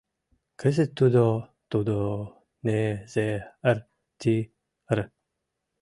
Кызыт тудо... тудо... не...зе...р...ти...р...»